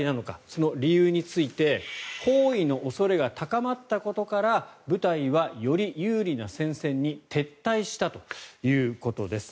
その理由について包囲の恐れが高まったことから部隊はより有利な戦線に撤退したということです。